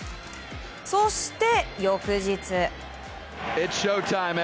そして、翌日。